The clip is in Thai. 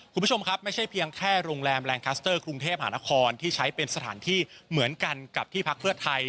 คุณผู้ชมครับไม่ใช่เพียงแค่โรงแรมแรงคัสเตอร์กรุงเทพหานครที่ใช้เป็นสถานที่เหมือนกันกับที่พักเพื่อไทย